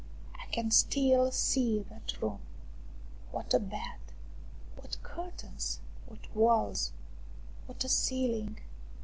I can still see that room. What a bed ! What curtains ! What walls ! What a ceiling